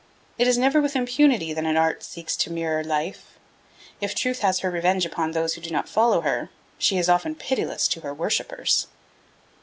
It is never with impunity that an art seeks to mirror life. If Truth has her revenge upon those who do not follow her, she is often pitiless to her worshippers.